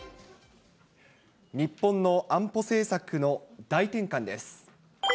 日本の安保政策の大転換です。